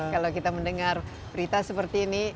kalau kita mendengar berita seperti ini